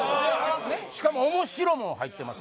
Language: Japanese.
しかも面白も入ってます